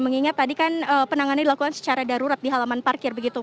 mengingat tadi kan penanganan dilakukan secara darurat di halaman parkir begitu